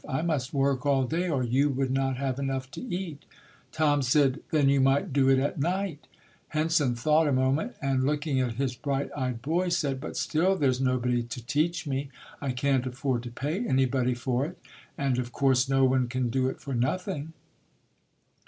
I must work all day or you would not have enough to eat." Tom said, "Then you might do it at night". Henson thought a moment and, looking at his bright eyed boy, said, "But still there's no JOSIAH HENSON [ 205 body to teach me. I can't afford to pay anybody for it, and of course, no one can do it for nothing".